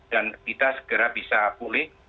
dan kita segera bisa pulih